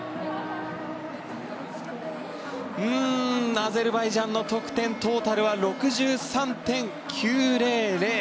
アゼルバイジャンの得点トータルは６３．９００。